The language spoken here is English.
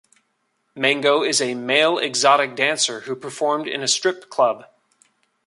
Mango is a male exotic dancer who performed in a strip club.